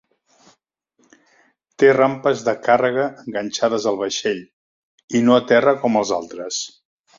Té rampes de càrrega enganxades al vaixell, i no a terra com els altres.